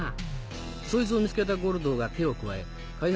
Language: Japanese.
そいつを見つけたゴルドーが手を加え開発